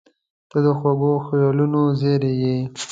• ته د خوږو خیالونو زېری یې.